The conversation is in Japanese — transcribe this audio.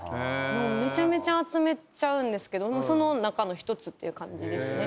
めちゃめちゃ集めちゃうんですけどその中の１つっていう感じですね。